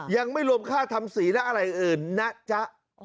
ยังไม่รวมค่าทำสีและอะไรอื่นนะจ๊ะ